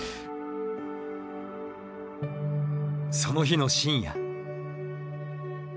その日の深夜。